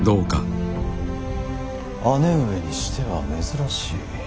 姉上にしては珍しい。